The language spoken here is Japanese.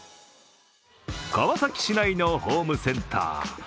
川崎市内のホームセンター。